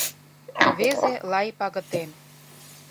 Рвезе-лай пагытем.